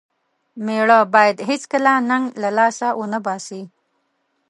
مېړه بايد هيڅکله ننګ له لاسه و نه باسي.